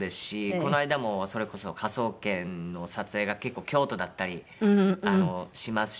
この間もそれこそ『科捜研』の撮影が結構京都だったりしますし。